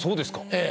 ええ。